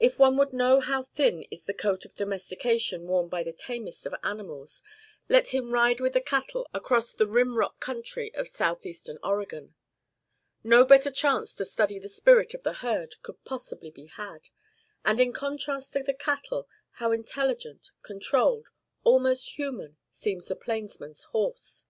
If one would know how thin is the coat of domestication worn by the tamest of animals, let him ride with the cattle across the rim rock country of southeastern Oregon. No better chance to study the spirit of the herd could possibly be had. And in contrast to the cattle, how intelligent, controlled, almost human, seems the plainsman's horse!